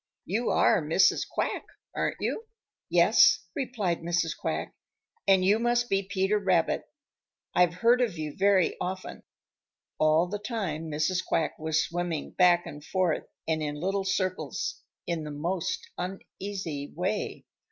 You are Mrs. Quack, aren't you?" "Yes," replied Mrs. Quack, "and you must be Peter Rabbit. I've heard of you very often." All the time Mrs. Quack was swimming back and forth and in little circles in the most uneasy way.